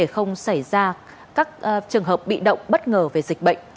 không xảy ra các trường hợp bị động bất ngờ về dịch bệnh